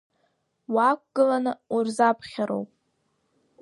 Уаақәгыланы урзаԥхьароуп.